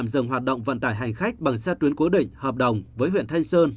dừng hoạt động vận tải hành khách bằng xe tuyến cố định hợp đồng với huyện thanh sơn